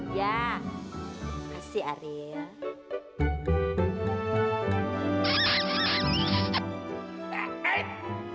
iya terima kasih ariel